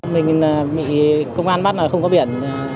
mình bị công an bắt là không có biển